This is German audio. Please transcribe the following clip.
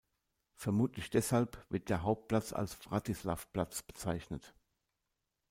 Vermutlich deshalb wird der Hauptplatz als "Vratislav-Platz" bezeichnet.